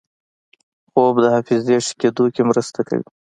خوب د حافظې ښه کېدو کې مرسته کوي